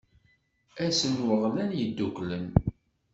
Ass n waɣlan yedduklen.